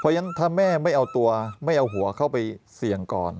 เพราะฉะนั้นถ้าแม่ไม่เอาตัวไม่เอาหัวเข้าไปเสี่ยงก่อน